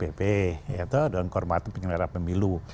atau yang diperhormati penyelenggara pemilu